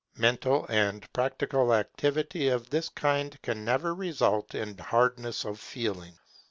Mental and practical activity of this kind can never result in hardness of feeling.